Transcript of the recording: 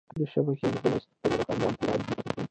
دا شبکې نوګالس له نورو ښارونو او متحده ایالتونو سره نښلوي.